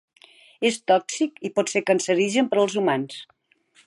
És tòxic i pot ser cancerigen per als humans.